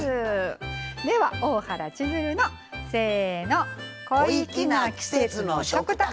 では、「大原千鶴の小粋な季節の食卓」。